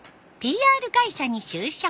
ＰＲ会社に就職。